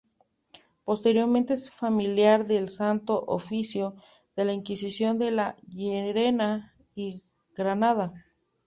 Posteriormente es familiar del Santo Oficio de la Inquisición de Llerena y Granada.